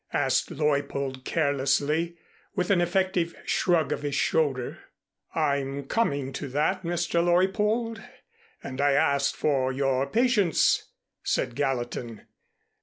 asked Leuppold carelessly, with an effective shrug of his shoulder. "I'm coming to that, Mr. Leuppold. And I ask for your patience," said Gallatin.